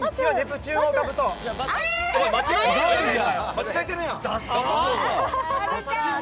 間違えてるやん！